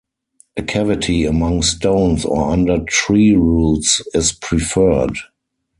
A cavity among stones or under tree roots is preferred.